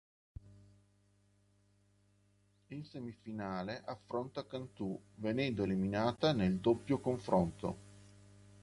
In semifinale affronta Cantù venendo eliminata nel doppio confronto.